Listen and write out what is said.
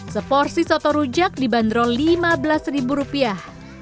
seporsi soto rujak dibanderol lima belas ribu rupiah